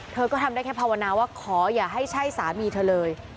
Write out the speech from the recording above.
เธอก็ทำได้แค่ภาวนาว่าขออย่าให้ใช่สามีเธอเลย